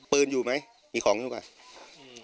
ปืนอยู่ไหมมีของอยู่ไหม